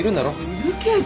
いるけど。